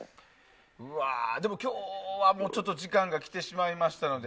でも今日はちょっと時間が来てしまいましたので。